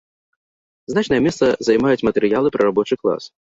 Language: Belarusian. Значнае месца займаюць матэрыялы пра рабочы клас.